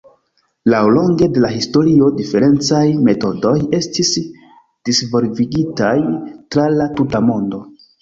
Laŭlonge de la historio, diferencaj metodoj estis disvolvigitaj tra la tuta mondo.